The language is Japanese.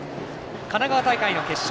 神奈川大会の決勝